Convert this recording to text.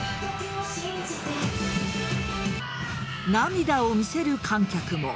涙を見せる観客も。